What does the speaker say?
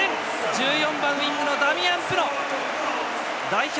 １４番、ウイングのダミアン・プノ代表